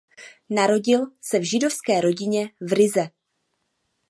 Narodil se v židovské rodině v Rize.